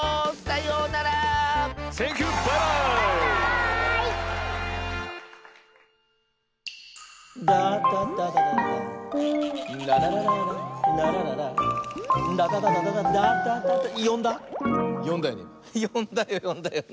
よんだよね？